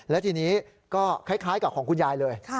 และทีนี้ก็คล้ายกับของคุณยายเลย